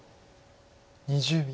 ２０秒。